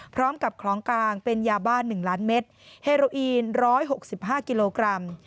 พร้อมกับคล้องกลางเป็นยาบ้านหนึ่งล้านเมตรเฮโรอีนร้อยหกสิบห้ากิโลกรัม